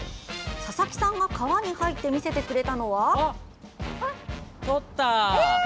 佐々木さんが川に入って見せてくれたのは。